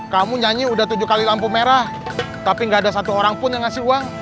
kamu nyanyi udah tujuh kali lampu merah tapi gak ada satu orang pun yang ngasih uang